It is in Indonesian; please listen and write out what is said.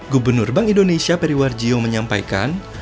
gubernur bank indonesia periwar jio menyampaikan